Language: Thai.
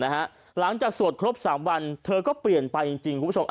หลังจากสวดครบ๓วันเธอก็เปลี่ยนไปจริงคุณผู้ชม